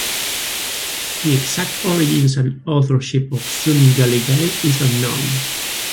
The exact origins and authorship of "Zum Gali Gali" is unknown.